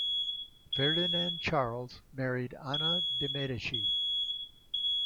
Ferdinand Charles married Anna de' Medici.